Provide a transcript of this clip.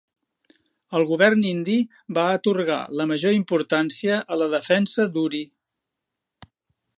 El govern indi va atorgar la major importància a la defensa d'Uri.